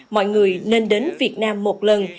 mọi người nên đến việt nam một lần